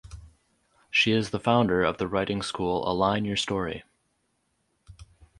She is the founder of the writing school Align Your Story.